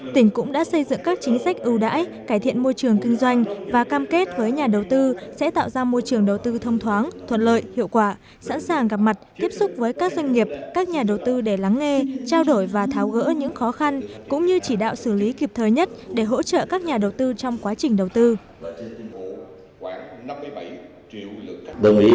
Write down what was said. tỉnh cũng đã xây dựng các chính sách ưu đãi cải thiện môi trường kinh doanh và cam kết với nhà đầu tư sẽ tạo ra môi trường đầu tư thông thoáng thuận lợi hiệu quả sẵn sàng gặp mặt tiếp xúc với các doanh nghiệp các nhà đầu tư để lắng nghe trao đổi và tháo gỡ những khó khăn cũng như chỉ đạo xử lý kịp thời nhất để hỗ trợ các nhà đầu tư trong quá trình đầu tư